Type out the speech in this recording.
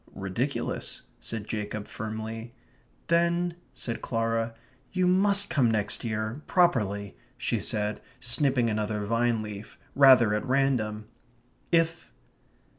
"Ridiculous," said Jacob, firmly. "Then ..." said Clara, "you must come next year, properly," she said, snipping another vine leaf, rather at random. "If